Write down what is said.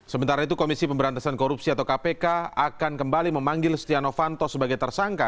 sementara itu komisi pemberantasan korupsi atau kpk akan kembali memanggil stiano fanto sebagai tersangka